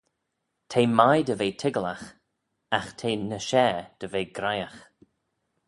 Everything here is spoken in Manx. Te mie dy ve toiggalagh, agh te ny share dy ve graihagh.